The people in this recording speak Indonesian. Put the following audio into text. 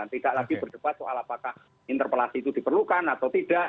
tidak lagi berdebat soal apakah interpelasi itu diperlukan atau tidak